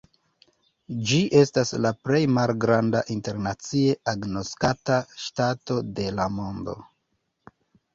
Ĝi estas la plej malgranda internacie agnoskata ŝtato de la mondo.